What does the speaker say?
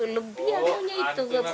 lebih anunya itu